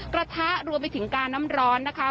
กระทะรวมไปถึงกาน้ำร้อนนะคะ